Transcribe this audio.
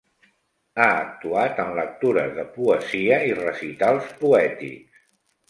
Ha actuat en lectures de poesia i recitals poètics.